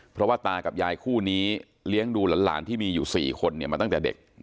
เพราะว่าตากับยายคู่นี้เลี้ยงดูหลานที่มีอยู่๔คนมาตั้งแต่เด็ก